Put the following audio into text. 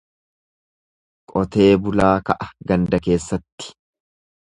Qotee bulaa ka'a ganda keessatti.